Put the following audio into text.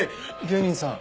芸人さん？